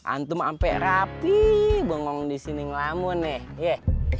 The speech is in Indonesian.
antum ampe rapi bengong disini ngelamun ya